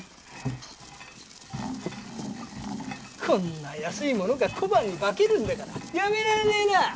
こんな安いものが小判に化けるんだからやめられねえな！